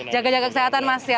jaga jaga kesehatan mas